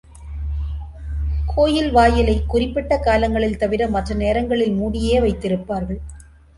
கோயில் வாயிலை குறிப்பிட்ட காலங்கள் தவிர மற்ற நேரங்களில் மூடியே வைத்திருப்பார்கள்.